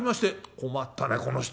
「困ったねこの人は。